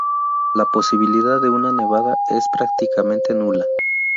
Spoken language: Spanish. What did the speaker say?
La posibilidad de una nevada es prácticamente nula.